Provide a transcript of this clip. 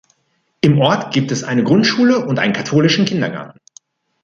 Im Ort gibt es eine Grundschule und einen katholischen Kindergarten.